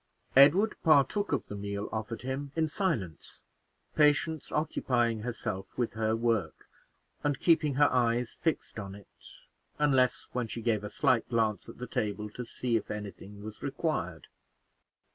Edward partook of the meal offered him in silence, Patience occupying herself with her work, and keeping her eyes fixed on it, unless when she gave a slight glance at the table to see if any thing was required.